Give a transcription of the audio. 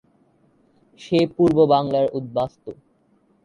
সে পূর্ববাংলার উদ্বাস্তু।